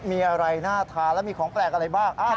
มีอะไรน่าทานและมีของแปลกอะไรบ้าง